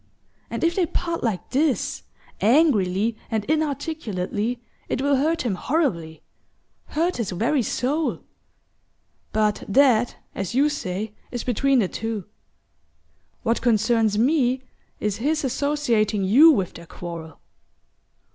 And if they part like this, angrily and inarticulately, it will hurt him horribly hurt his very soul. But that, as you say, is between the two. What concerns me is his associating you with their quarrel.